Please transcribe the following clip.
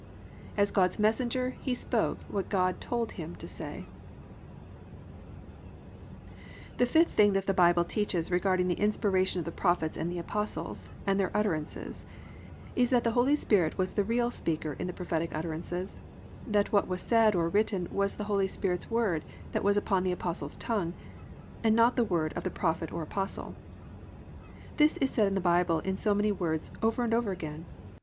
As God's messenger he spoke what God told him to say. V. THE HOLY SPIRIT WAS THE REAL SPEAKER WHO SPOKE IN THE PROPHETIC UTTERANCES The fifth thing that the Bible teaches regarding the Inspiration of the Prophets and the Apostles and their utterances, is that _the Holy Spirit was the real speaker in the prophetic utterances, that what was said or written was the Holy Spirit's Word that was upon the Apostle's tongue, and not the word of the Prophet or Apostle_. This is said in the Bible in so many words, over and over again.